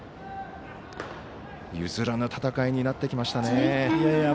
譲らぬ戦いになってきましたね。